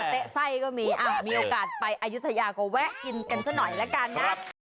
เต๊ะไส้ก็มีมีโอกาสไปอายุทยาก็แวะกินกันซะหน่อยละกันนะ